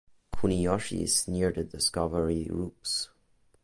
Kuniyoshi is near the Discovery Rupes.